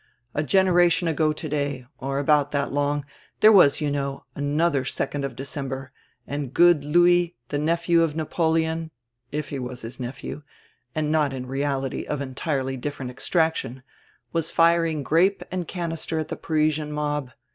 A generation ago today, or about that long, there was, you know, another second of December, and good Louis, tire nephew of Napoleon — if he was his nephew, and not in reality of entirely different extraction — was firing grape and canister at die Parisian mob.